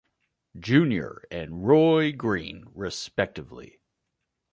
Junior and Roy Green respectively.